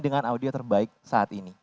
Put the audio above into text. dengan audio terbaik saat ini